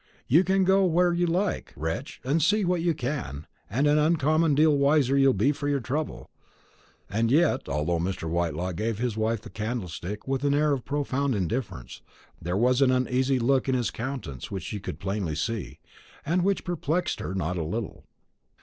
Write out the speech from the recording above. "You can go where you like, wench, and see what you can; and an uncommon deal wiser you'll be for your trouble." And yet, although Mr. Whitelaw gave his wife the candlestick with an air of profound indifference, there was an uneasy look in his countenance which she could plainly see, and which perplexed her not a little.